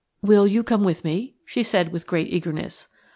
"Will you come with me?" she said, with great eagerness.